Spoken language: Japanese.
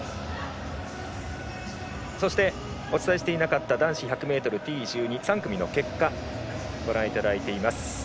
お伝えしていなかった男子１００Ｔ１２の３組の結果をご覧いただいています。